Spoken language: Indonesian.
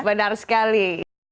betul benar sekali